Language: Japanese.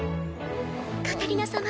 カタリナ様